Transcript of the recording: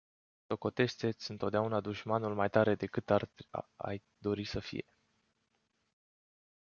Socotește-ți întotdeauna dușmanul mai tare decât ai dori să fie.